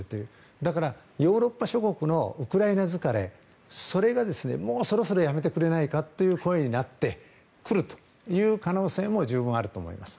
だから、ヨーロッパ諸国のウクライナ疲れそれがもうそろそろやめてくれないかという声になってくる可能性も十分あると思います。